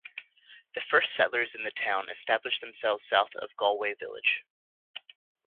The first settlers in the town established themselves south of Galway village.